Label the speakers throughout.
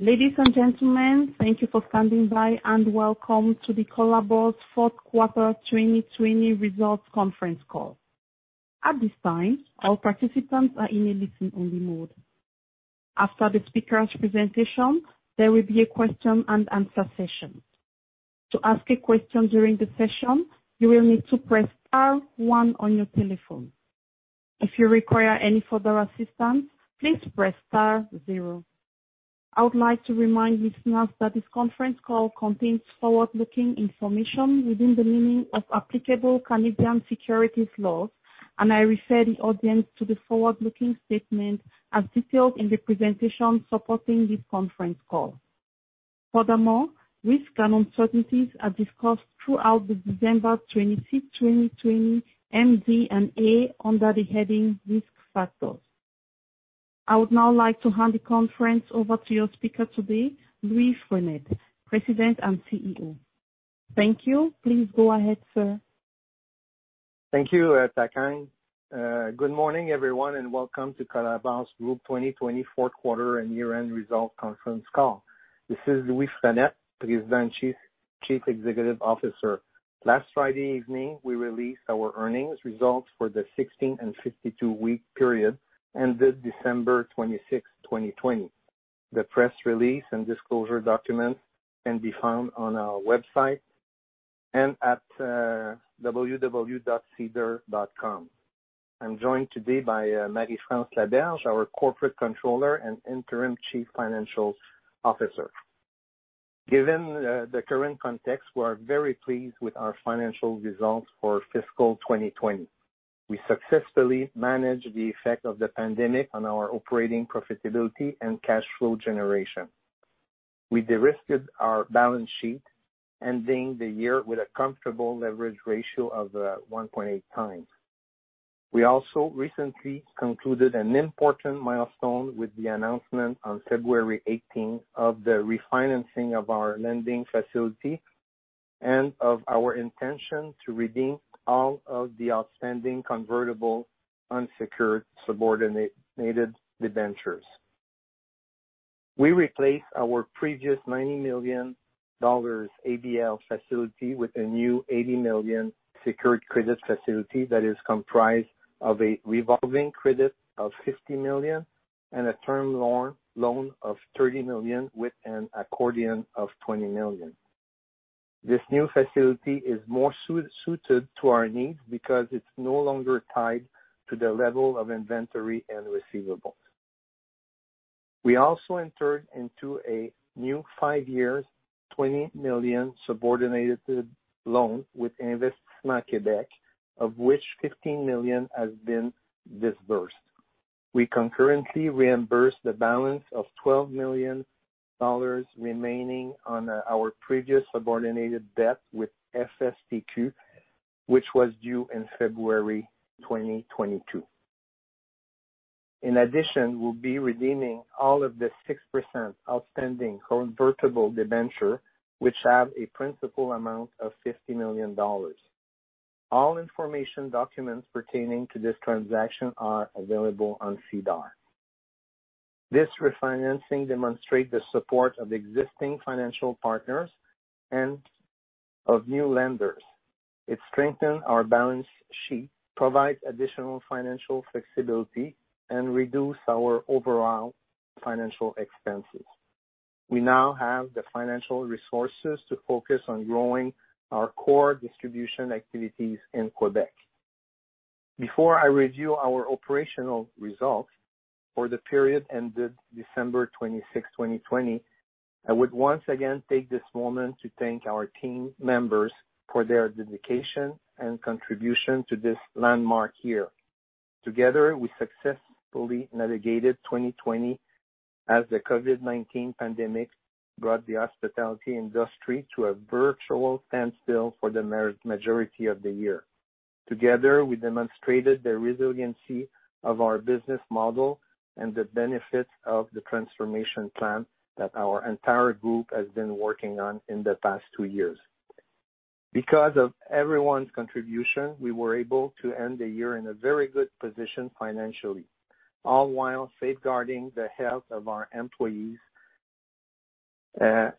Speaker 1: Ladies and gentlemen, thank you for standing by, and welcome to Colabor's fourth quarter 2020 results conference call. At this time, all participants are in a listen-only mode. After the speakers' presentation, there will be a question-and-answer session. To ask a question during the session, you will need to press star one on your telephone. If you require any further assistance, please press star zero. I would like to remind listeners that this conference call contains forward-looking information within the meaning of applicable Canadian securities laws, and I refer the audience to the forward-looking statement as detailed in the presentation supporting this conference call. Furthermore, risks and uncertainties are discussed throughout the December 26, 2020, MD & A under the heading Risk Factors. I would now like to hand the conference over to your speaker today, Louis Frenette, President and CEO. Thank you. Please go ahead, sir.
Speaker 2: Thank you, Takane. Good morning, everyone, and welcome to Colabor Group's 2020 fourth quarter and year-end results conference call. This is Louis Frenette, President, Chief Executive Officer. Last Friday evening, we released our earnings results for the 16 and 52-week period ended December 26, 2020. The press release and disclosure documents can be found on our website and at www.sedar.com. I'm joined today by Marie-France Laberge, our Corporate Controller and Interim Chief Financial Officer. Given the current context, we are very pleased with our financial results for fiscal 2020. We successfully managed the effect of the pandemic on our operating profitability and cash flow generation. We de-risked our balance sheet, ending the year with a comfortable leverage ratio of 1.8x. We also recently concluded an important milestone with the announcement on February 18 of the refinancing of our lending facility and of our intention to redeem all of the outstanding convertible unsecured subordinated debentures. We replaced our previous 90 million dollars ABL facility with a new 80 million secured credit facility that is comprised of a revolving credit of 50 million and a term loan of 30 million with an accordion of 20 million. This new facility is more suited to our needs because it's no longer tied to the level of inventory and receivables. We also entered into a new five-year, 20 million subordinated loan with Investissement Québec, of which 15 million has been disbursed. We concurrently reimbursed the balance of 12 million dollars remaining on our previous subordinated debt with FSTQ, which was due in February 2022. In addition, we'll be redeeming all of the 6% outstanding convertible debenture, which have a principal amount of 50 million dollars. All information documents pertaining to this transaction are available on SEDAR. This refinancing demonstrates the support of existing financial partners and of new lenders. It strengthens our balance sheet, provides additional financial flexibility, and reduces our overall financial expenses. We now have the financial resources to focus on growing our core distribution activities in Quebec. Before I review our operational results for the period ended December 26, 2020, I would once again take this moment to thank our team members for their dedication and contribution to this landmark year. Together, we successfully navigated 2020 as the COVID-19 pandemic brought the hospitality industry to a virtual standstill for the majority of the year. Together, we demonstrated the resiliency of our business model and the benefits of the transformation plan that our entire group has been working on in the past two years. Because of everyone's contribution, we were able to end the year in a very good position financially, all while safeguarding the health of our [employees'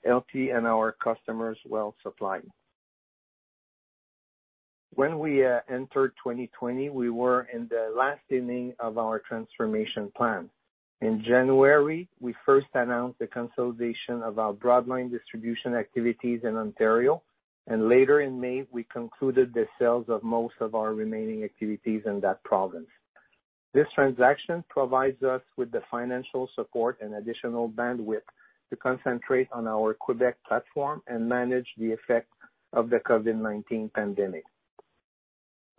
Speaker 2: LP] and our customers' well supply. When we entered 2020, we were in the last inning of our transformation plan. In January, we first announced the consolidation of our broad line distribution activities in Ontario, and later in May, we concluded the sales of most of our remaining activities in that province. This transaction provides us with the financial support and additional bandwidth to concentrate on our Quebec platform and manage the effects of the COVID-19 pandemic.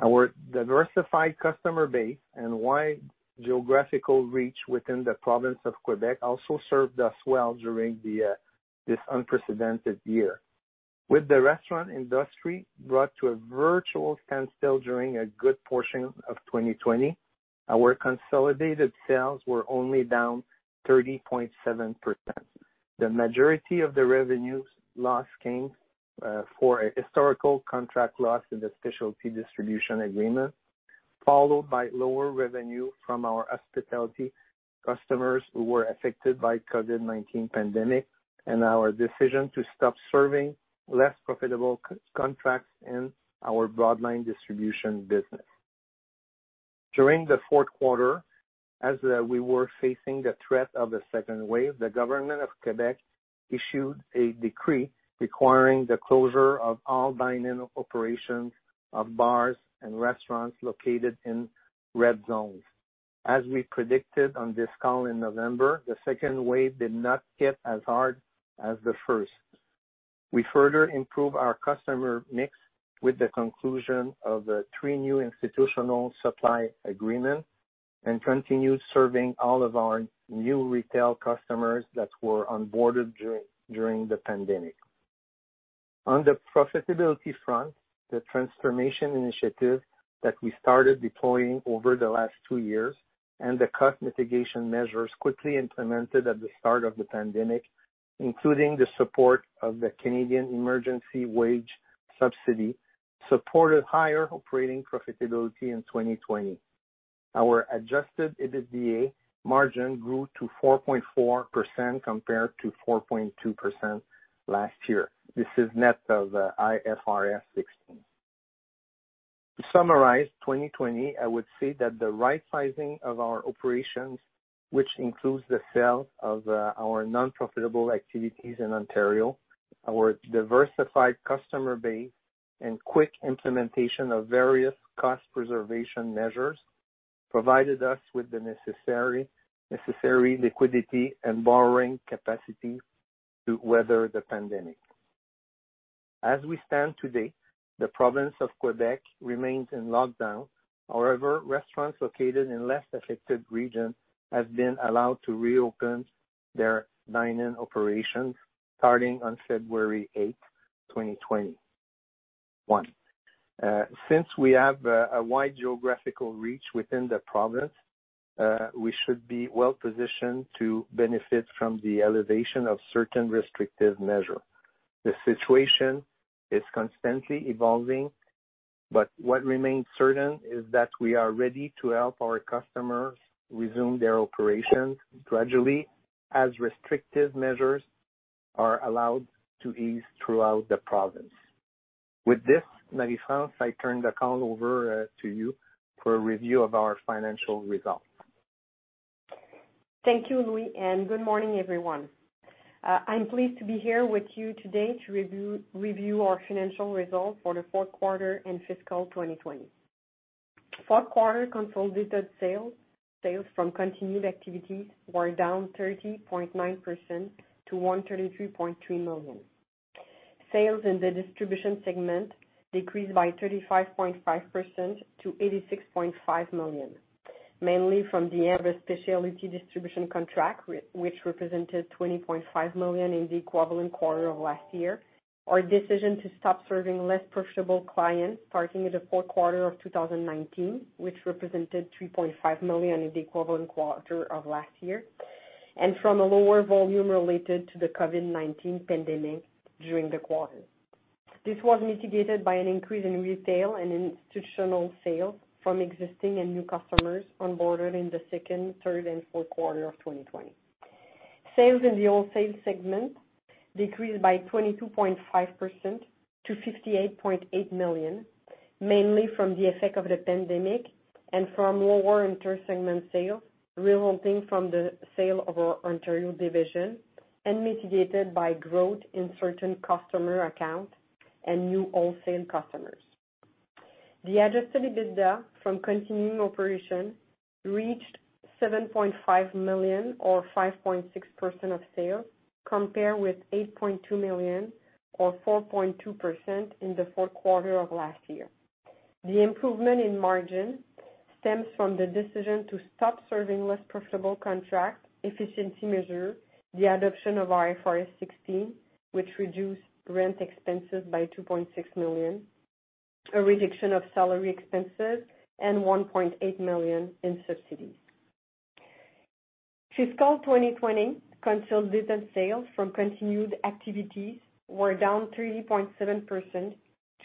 Speaker 2: Our diversified customer base and wide geographical reach within the province of Quebec also served us well during this unprecedented year. With the restaurant industry brought to a virtual standstill during a good portion of 2020, our consolidated sales were only down 30.7%. The majority of the revenue loss came for a historical contract loss in the specialty distribution agreement, followed by lower revenue from our hospitality customers who were affected by the COVID-19 pandemic, and our decision to stop serving less profitable contracts in our broad line distribution business. During the fourth quarter, as we were facing the threat of a second wave, the government of Quebec issued a decree requiring the closure of all dine-in operations of bars and restaurants located in red zones. As we predicted on this call in November, the second wave did not hit as hard as the first. We further improved our customer mix with the conclusion of the three new institutional supply agreements and continued serving all of our new retail customers that were onboarded during the pandemic. On the profitability front, the transformation initiative that we started deploying over the last two years and the cost mitigation measures quickly implemented at the start of the pandemic, including the support of the Canada Emergency Wage Subsidy, supported higher operating profitability in 2020. Our adjusted EBITDA margin grew to 4.4% compared to 4.2% last year. This is net of IFRS 16. To summarize 2020, I would say that the right sizing of our operations, which includes the sale of our non-profitable activities in Ontario, our diversified customer base, and the quick implementation of various cost preservation measures, provided us with the necessary liquidity and borrowing capacity to weather the pandemic. As we stand today, the province of Quebec remains in lockdown. However, restaurants located in less affected regions have been allowed to reopen their dine-in operations starting on February 8th, 2021. Since we have a wide geographical reach within the province, we should be well-positioned to benefit from the elevation of certain restrictive measures. The situation is constantly evolving, but what remains certain is that we are ready to help our customers resume their operations gradually as restrictive measures are allowed to ease throughout the province. With this, Marie-France, I turn the call over to you for a review of our financial results.
Speaker 3: Thank you, Louis, and good morning, everyone. I'm pleased to be here with you today to review our financial results for the fourth quarter and fiscal 2020. Fourth quarter consolidated sales from continued activities were down 30.9% to 133.3 million. Sales in the distribution segment decreased by 35.5% to 86.5 million, mainly from the end of the specialty distribution contract, which represented 20.5 million in the equivalent quarter of last year. Our decision to stop serving less profitable clients starting in the fourth quarter of 2019, which represented 3.5 million in the equivalent quarter of last year, and from a lower volume related to the COVID-19 pandemic during the quarter. This was mitigated by an increase in retail and institutional sales from existing and new customers onboarded in the second, third, and fourth quarters of 2020. Sales in the wholesale segment decreased by 22.5% to 58.8 million, mainly from the effect of the pandemic and from lower inter-segment sales resulting from the sale of our Ontario division, and mitigated by growth in certain customer accounts and new wholesale customers. The adjusted EBITDA from continuing operations reached 7.5 million or 5.6% of sales, compared with 8.2 million or 4.2% in the fourth quarter of last year. The improvement in margin stems from the decision to stop serving less profitable contracts, efficiency measures, the adoption of IFRS 16, which reduced rent expenses by 2.6 million, a reduction of salary expenses, and 1.8 million in subsidies. Fiscal 2020 consolidated sales from continued activities were down 3.7%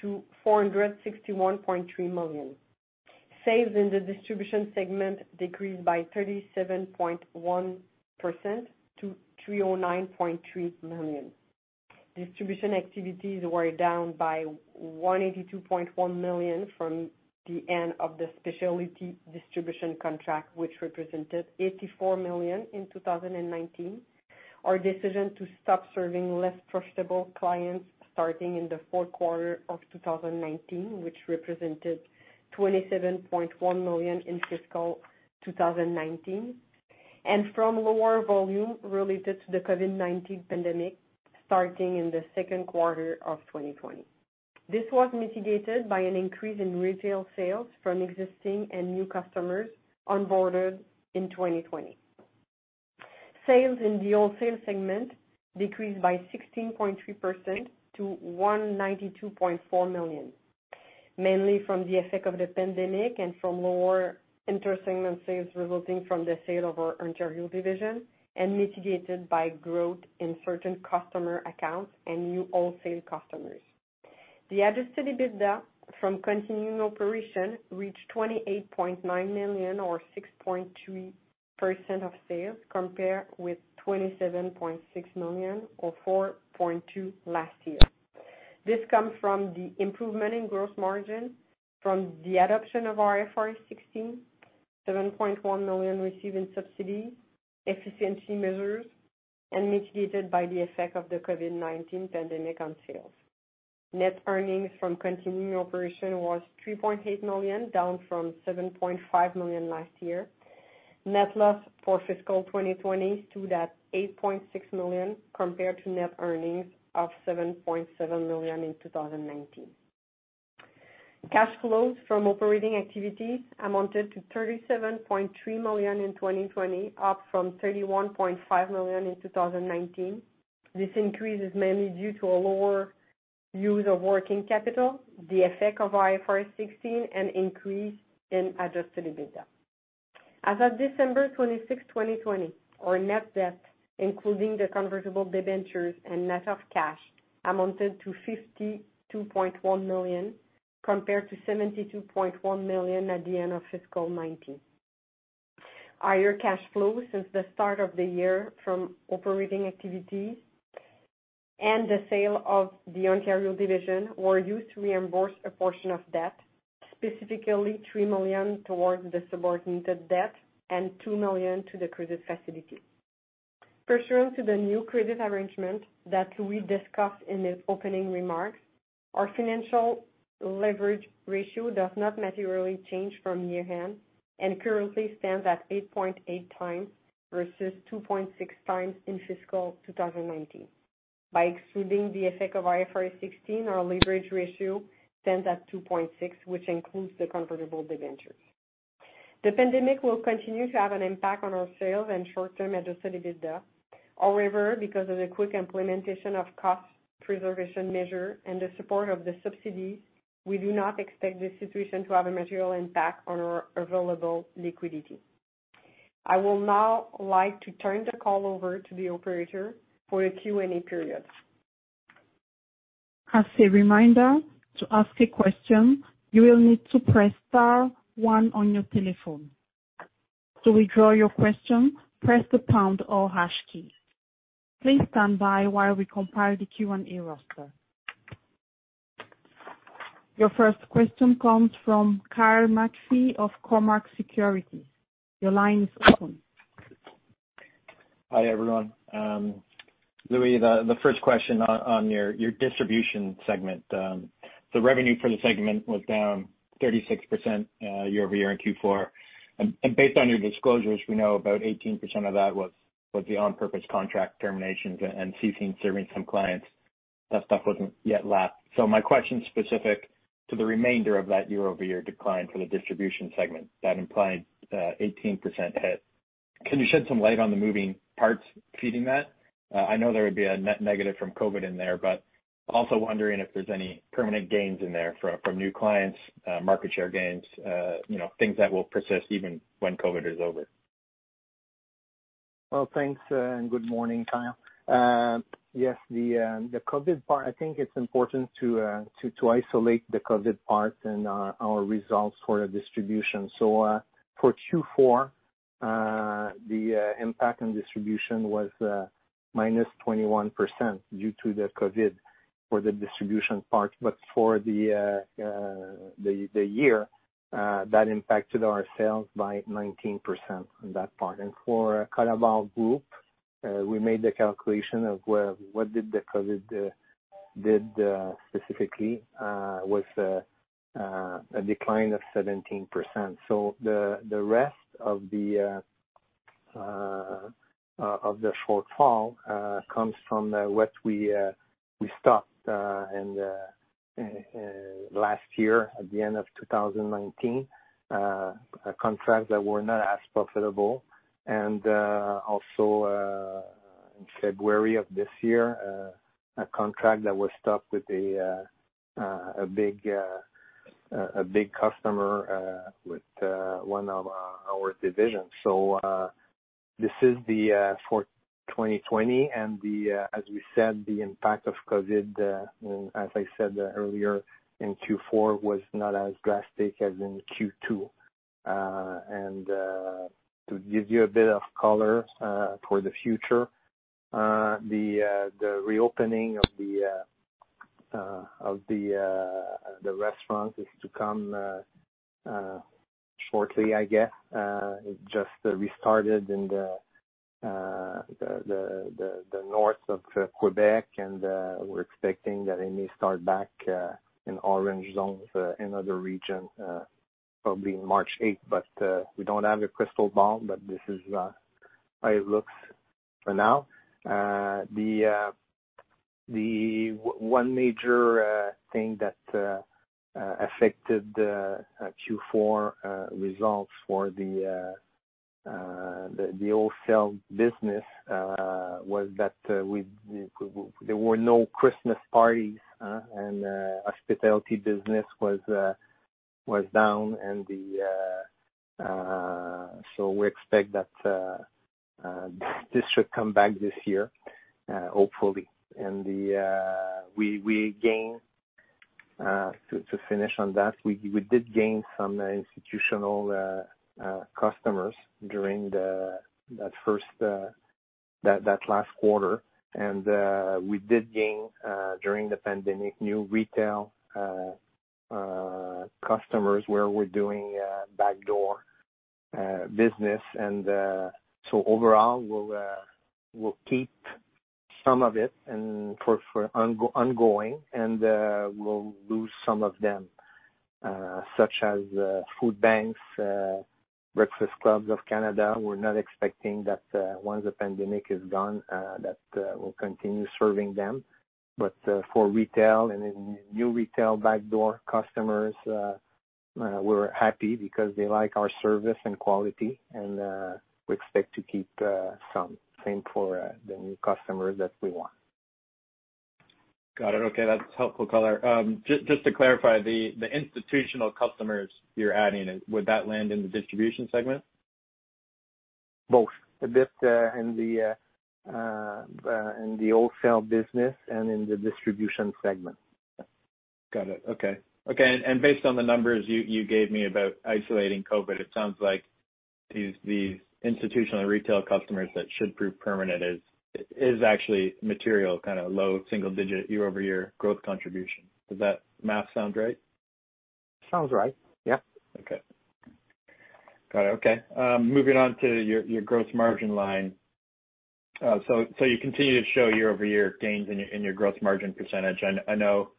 Speaker 3: to 461.3 million. Sales in the distribution segment decreased by 37.1% to 309.3 million. Distribution activities were down by 182.1 million from the end of the specialty distribution contract, which represented 84 million in 2019. Our decision to stop serving less profitable clients starting in the fourth quarter of 2019, which represented 27.1 million in fiscal 2019, and from lower volume related to the COVID-19 pandemic starting in the second quarter of 2020. This was mitigated by an increase in retail sales from existing and new customers onboarded in 2020. Sales in the Wholesale segment decreased by 16.3% to 192.4 million, mainly from the effect of the pandemic and from lower inter-segment sales resulting from the sale of our Ontario division, and mitigated by growth in certain customer accounts and new wholesale customers. The adjusted EBITDA from continuing operations reached 28.9 million or 6.3% of sales, compared with 27.6 million or 4.2% last year. This comes from the improvement in gross margin from the adoption of IFRS 16, 7.1 million received in subsidies, efficiency measures, and mitigated by the effect of the COVID-19 pandemic on sales. Net earnings from continuing operation was 3.8 million, down from 7.5 million last year. Net loss for fiscal 2020 stood at 8.6 million compared to net earnings of 7.7 million in 2019. Cash flows from operating activities amounted to 37.3 million in 2020, up from 31.5 million in 2019. This increase is mainly due to a lower use of working capital, the effect of IFRS 16, and an increase in adjusted EBITDA. As of December 26th, 2020, our net debt, including the convertible debentures and net of cash, amounted to 52.1 million, compared to 72.1 million at the end of fiscal 2019. Our year cash flow since the start of the year from operating activities and the sale of the Ontario division were used to reimburse a portion of debt, specifically 3 million towards the subordinated debt and 2 million to the credit facility. Pursuant to the new credit arrangement that we discussed in the opening remarks, our financial leverage ratio does not materially change from year-end and currently stands at 8.8x versus 2.6x in fiscal 2019. By excluding the effect of IFRS 16, our leverage ratio stands at 2.6x, which includes the convertible debentures. The pandemic will continue to have an impact on our sales and short-term adjusted EBITDA. Because of the quick implementation of cost preservation measures and the support of the subsidies, we do not expect this situation to have a material impact on our available liquidity. I will now like to turn the call over to the operator for a Q&A period.
Speaker 1: As a reminder, to ask a question, you will need to press star one on your telephone. To withdraw your question, press the pound or hash key. Please stand by while we compile the Q&A roster. Your first question comes from Kyle McPhee of Cormark Securities. Your line is open.
Speaker 4: Hi, everyone. Louis, the first question on your Distribution segment. The revenue for the segment was down 36% year-over-year in Q4. Based on your disclosures, we know about 18% of that was the on-purpose contract terminations and ceasing serving some clients. That stuff wasn't yet lapped. My question is specific to the remainder of that year-over-year decline for the Distribution segment, that implied 18% hit. Can you shed some light on the moving parts feeding that? I know there would be a net negative from COVID in there, but also wondering if there's any permanent gains in there from new clients, market share gains, things that will persist even when COVID is over.
Speaker 2: Thanks, and good morning, Kyle. Yes, the COVID part, I think it's important to isolate the COVID part and our results for the distribution. For Q4, the impact on distribution was -21% due to COVID for the distribution part. For the year, that impacted our sales by 19% on that part. For Colabor Group, we made the calculation of what did the COVID did specifically, was a decline of 17%. The rest of the shortfall comes from what we stopped in last year at the end of 2019, contracts that were not as profitable, and also in February of this year, a contract that was stopped with a big customer with one of our divisions. This is the fourth quarter of 2020, and as we said, the impact of COVID, as I said earlier in Q4, was not as drastic as in Q2. To give you a bit of color for the future, the reopening of the restaurants is to come shortly, I guess. It just restarted in the north of Quebec, and we're expecting that it may start back in orange zones in other regions, probably on March 8th. We don't have a crystal ball, but this is how it looks for now. The one major thing that affected the Q4 results for the wholesale business was that there were no Christmas parties, hospitality business was down. We expect that this should come back this year, hopefully. To finish on that, we did gain some institutional customers during that last quarter, and we did gain, during the pandemic, new retail customers where we're doing backdoor business. Overall, we'll keep some of it for ongoing, and we'll lose some of them, such as food banks, Breakfast Club of Canada. We're not expecting that once the pandemic is gone, that we'll continue serving them. For retail and new retail backdoor customers, we're happy because they like our service and quality, and we expect to keep some. Same for the new customers that we won.
Speaker 4: Got it. Okay. That's helpful, Louis. Just to clarify, the institutional customers you're adding would that land in the Distribution segment?
Speaker 2: Both. A bit in the wholesale business and in the Distribution segment.
Speaker 4: Got it. Okay. Based on the numbers you gave me about isolating COVID, it sounds like these institutional and retail customers that should prove permanent is actually a material, low single-digit year-over-year growth contribution. Does that math sound right?
Speaker 2: Sounds right. Yep.
Speaker 4: Okay. Got it. Okay. Moving on to your gross margin line. You continue to show year-over-year gains in your gross margin percentage. I know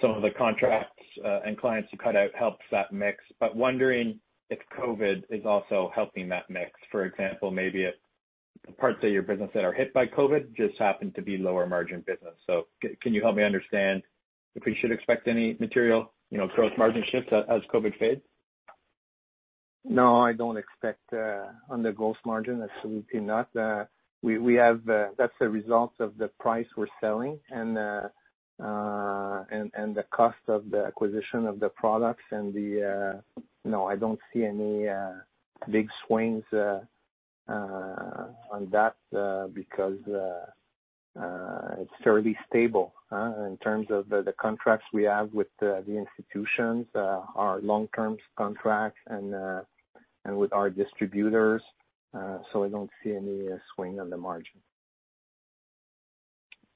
Speaker 4: some of the contracts and clients you cut out help that mix, but wondering if COVID is also helping that mix. For example, maybe parts of your business that are hit by COVID just happen to be lower-margin business. Can you help me understand if we should expect any material gross margin shifts as COVID fades?
Speaker 2: I don't expect on the gross margin, absolutely not. That's a result of the price we're selling and the cost of the acquisition of the products. I don't see any big swings on that, because it's fairly stable. In terms of the contracts we have with the institutions, are long-term contracts, and with our distributors. I don't see any swing on the margin.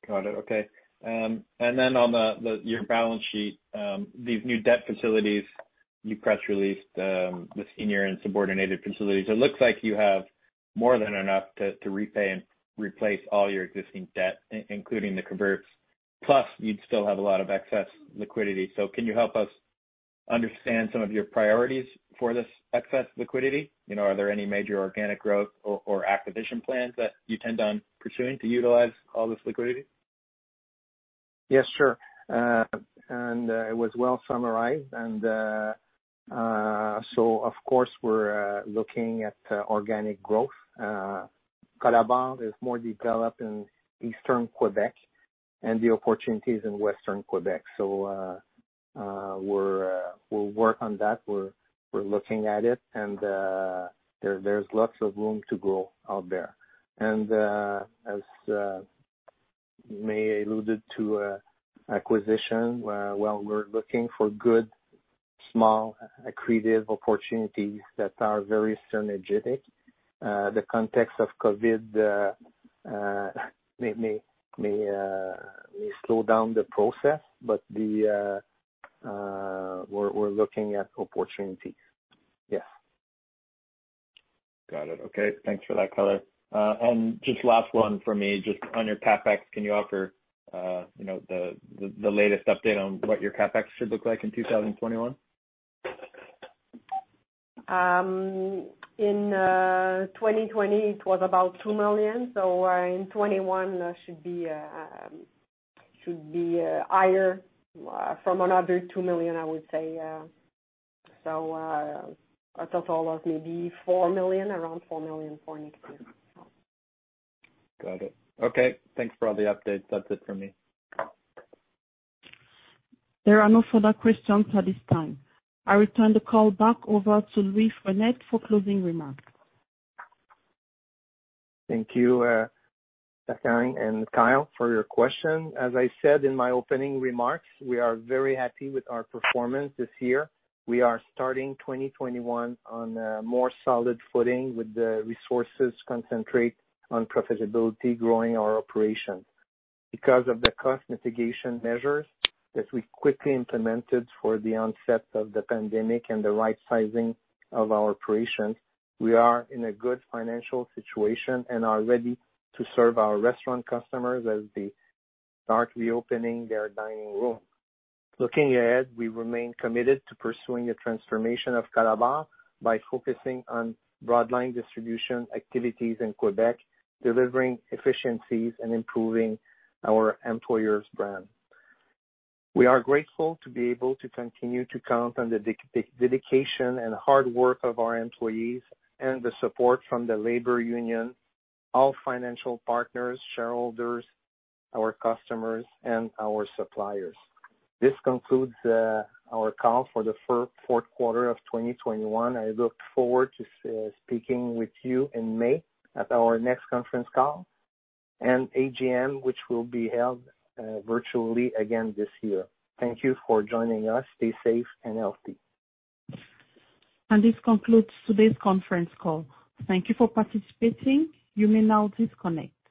Speaker 4: Got it. Okay. On your balance sheet, these new debt facilities, you press released the senior and subordinated facilities. It looks like you have more than enough to repay and replace all your existing debt, including the converts, plus you'd still have a lot of excess liquidity. Can you help us understand some of your priorities for this excess liquidity? Are there any major organic growth or acquisition plans that you intend on pursuing to utilize all this liquidity?
Speaker 2: Yes, sure. It was well summarized. Of course, we're looking at organic growth. Colabor is more developed in eastern Quebec, and the opportunity is in western Quebec, so we'll work on that. We're looking at it, and there's lots of room to grow out there. As May alluded to acquisition, well, we're looking for good, small, accretive opportunities that are very synergetic. The context of COVID may slow down the process, but we're looking at opportunities. Yes.
Speaker 4: Got it. Okay, thanks for that, Louis. Just one last one from me, just on your CapEx, can you offer the latest update on what your CapEx should look like in 2021?
Speaker 3: In 2020, it was about 2 million, so in 2021, it should be higher from another 2 million, I would say. A total of maybe 4 million, around 4 million for next year.
Speaker 4: Got it. Okay. Thanks for all the updates. That's it from me.
Speaker 1: There are no further questions at this time. I return the call back over to Louis Frenette for closing remarks.
Speaker 2: Thank you, Catherine and Kyle, for your question. As I said in my opening remarks, we are very happy with our performance this year. We are starting 2021 on a more solid footing with the resources concentrate on profitability, growing our operation. Because of the cost mitigation measures that we quickly implemented for the onset of the pandemic and the right-sizing of our operations, we are in a good financial situation and are ready to serve our restaurant customers as they start reopening their dining rooms. Looking ahead, we remain committed to pursuing the transformation of Colabor by focusing on broadline distribution activities in Quebec, delivering efficiencies, and improving our employers' brand. We are grateful to be able to continue to count on the dedication and hard work of our employees and the support from the labor union, our financial partners, shareholders, our customers, and our suppliers. This concludes our call for the fourth quarter of 2021. I look forward to speaking with you in May at our next conference call and AGM, which will be held virtually again this year. Thank you for joining us. Stay safe and healthy.
Speaker 1: This concludes today's conference call. Thank you for participating. You may now disconnect.